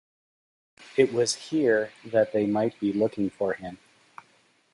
It was here that they might be looking for him.